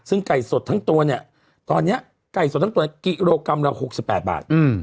ซึ่งไก่สดทั้งตัวเนี้ยตอนเนี้ยไก่สดทั้งตัวเนี้ยกิโลกรัมเราหกสิบแปดบาทอืม